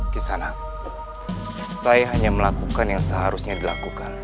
kisah anak saya hanya melakukan yang seharusnya dilakukan